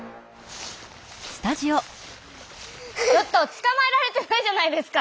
つかまえられてないじゃないですか。